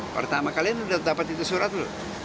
pertama kalian sudah dapat itu surat lho